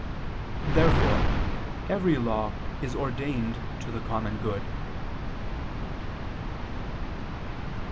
Therefore every law is ordained to the common good.